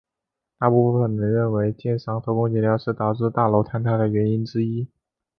大部分的人认为建商偷工减料是导致大楼坍塌原因之一。